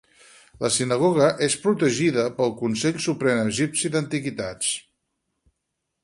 La sinagoga és protegida pel consell suprem egipci d'antiguitats.